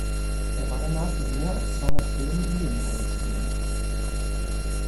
Er war danach in mehr als zweihundert Filmen in Nebenrollen zu sehen.